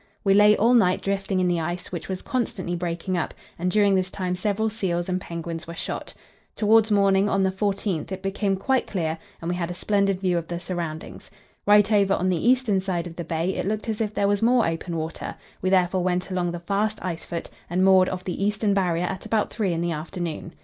We lay all night drifting in the ice, which was constantly breaking up, and during this time several seals and penguins were shot. Towards morning on the 14th it became quite clear, and we had a splendid view of the surroundings. Right over on the eastern side of the bay it looked as if there was more open water; we therefore went along the fast ice foot and moored off the eastern Barrier at about three in the afternoon.